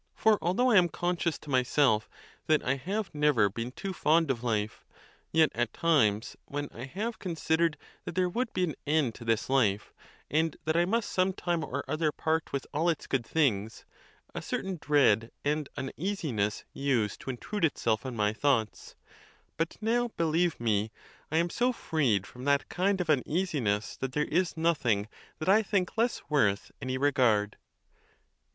For although I am conscious to myself that I have never been too fond of life, yet at times, when I have considered that there would be an end to this life, and that I must some © time or other part with all its good things, a certain dread 68 THE TUSCULAN DISPUTATIONS. and uneasiness used to intrude itself on my thoughts; but now, believe me, I am so freed from that kind of un easiness that there is nothing that I think less worth any regard.